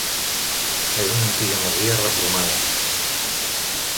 És una antiga masia reformada.